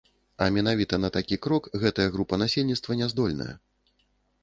А менавіта на такі крок гэтая група насельніцтва не здольная.